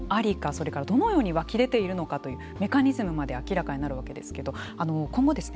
それからどのように湧き出ているのかというメカニズムまで明らかになるわけですけど今後ですね